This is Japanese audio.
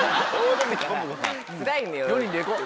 ４人で行こう。